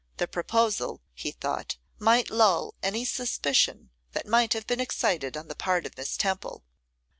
The proposal, he thought, might lull any suspicion that might have been excited on the part of Miss Temple.